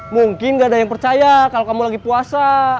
mungkin nggak ada yang percaya kalau kamu lagi puasa